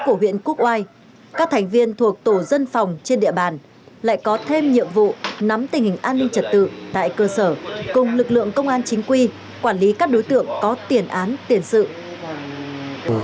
của huyện quốc oai các thành viên thuộc tổ dân phòng trên địa bàn lại có thêm nhiệm vụ nắm tình hình an ninh trật tự tại cơ sở cùng lực lượng công an chính quy quản lý các đối tượng có tiền án tiền sự